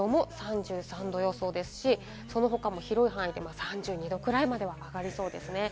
東京も３３度予想ですし、その他も広い範囲で３２度くらいまでは上がりそうですね。